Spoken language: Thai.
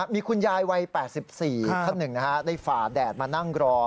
มีคุณยายวัย๘๔ท่านหนึ่งได้ฝ่าแดดมานั่งรอ